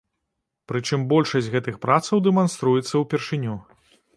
Прычым большасць гэтых працаў дэманструецца ўпершыню.